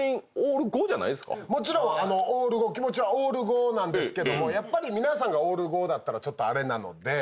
もちろん気持ちはオール５なんですけども皆さんがオール５だったらちょっとあれなので。